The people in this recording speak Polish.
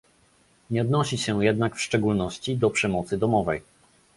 Nie odnosi się jednak w szczególności do przemocy domowej